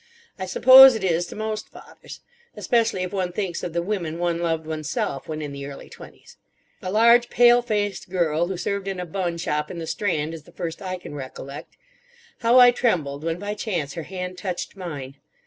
I suppose it is to most fathers. Especially if one thinks of the women one loved oneself when in the early twenties. A large pale faced girl, who served in a bun shop in the Strand, is the first I can recollect. How I trembled when by chance her hand touched mine!